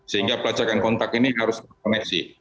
sehingga pelacakan kontak ini harus terkoneksi